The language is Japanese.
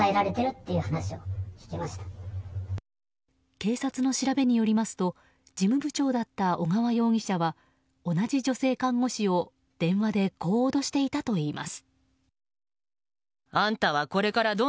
警察の調べによりますと事務部長だった小河容疑者は同じ女性看護師を電話でこう脅していたといいます。